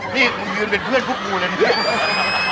นี่มึงยืนเป็นเพื่อนผู้กู้เลยครับ